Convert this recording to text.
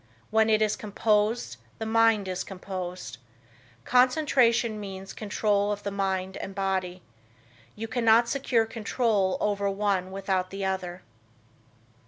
When it is composed, the mind is composed. Concentration means control of the mind and body. You cannot secure control over one without the other.